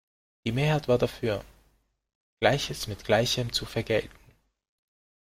Die Mehrheit war dafür, Gleiches mit Gleichem zu vergelten.